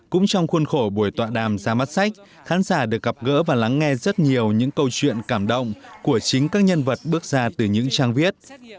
cũng trong khuôn khổ buổi tọa đàm ra mắt sách khán giả được gặp gỡ và lắng nghe rất nhiều những câu chuyện cảm động của chính các nhân vật bước ra từ những trang viết